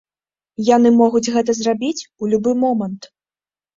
Яны могуць гэта зрабіць у любы момант.